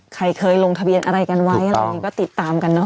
ใครเคยลงทะเบียนอะไรกันไว้ก็ติดตามกันเนอะ